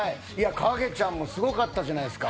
影ちゃんもすごかったじゃないですか。